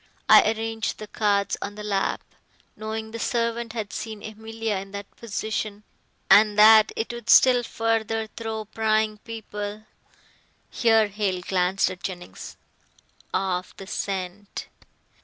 I arranged the cards on the lap, knowing the servant had seen Emilia in that position, and that it would still further throw prying people" here Hale glanced at Jennings "off the scent.